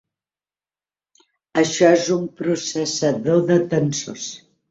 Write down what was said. Això és un processador de tensors.